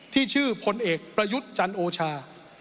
ที่ชื่อพลเอกประยุทธ์จันโอชา